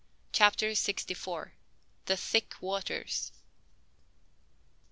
CHAPTER SIXTY FOUR. THE THICK WATERS.